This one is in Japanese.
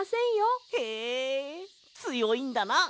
へえつよいんだな！